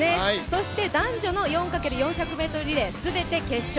そして男女の４×１００ｍリレー全て決勝